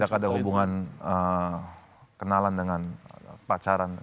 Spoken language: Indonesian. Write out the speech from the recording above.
tidak ada hubungan kenalan dengan pacaran